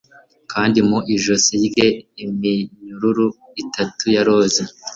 Kandi mu ijosi rye iminyururu itatu ya roza